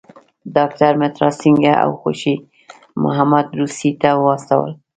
ډاکټر مترا سینګه او خوشي محمد روسیې ته واستول.